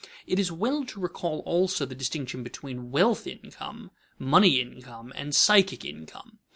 It is well to recall also the distinction between wealth income, money income, and psychic income.